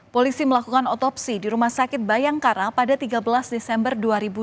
polisi melakukan otopsi di rumah sakit bayangkara pada tiga belas desember dua ribu dua puluh